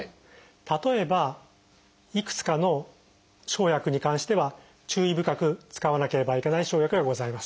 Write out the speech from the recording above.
例えばいくつかの生薬に関しては注意深く使わなければいけない生薬がございます。